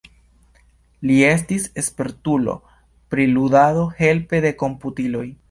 Li estis spertulo pri ludado helpe de komputiloj.